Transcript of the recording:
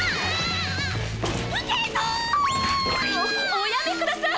おおやめください！